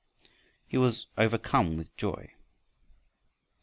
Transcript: He was overcome with joy.